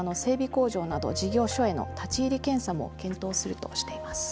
工場など事業所への立ち入り検査も検討するとしています。